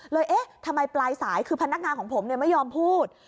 เอ๊ะทำไมปลายสายคือพนักงานของผมไม่ยอมพูด